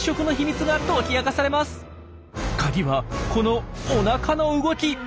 カギはこのおなかの動き！